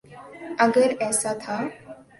اگر ایسا تھا۔